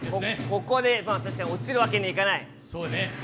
ここで確かに落ちるわけにはいかない。